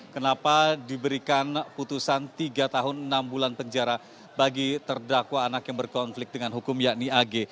kenapa diberikan putusan tiga tahun enam bulan penjara bagi terdakwa anak yang berkonflik dengan hukum yakni ag